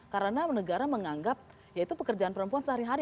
karena negara menganggap ya itu pekerjaan perempuan sehari hari